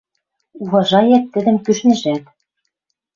Уважаят тӹдӹм кӱшнӹжӓт.